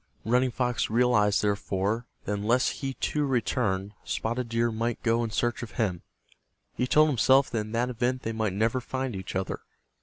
Running Fox realized, therefore, that unless he, too, returned, Spotted Deer might go in search of him. He told himself that in that event they might never find each other.